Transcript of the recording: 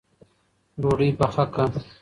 ډوډۍ پخه که